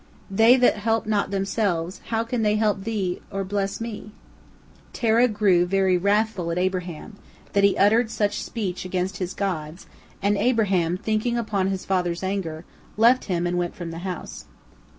They that help not themselves, how can they help thee or bless me?" Terah grew very wrathful at Abraham, that he uttered such speech against his gods, and Abraham, thinking upon his father's anger, left him and went from the house.